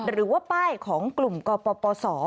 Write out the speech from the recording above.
หรือว่าป้ายของกลุ่มกปศ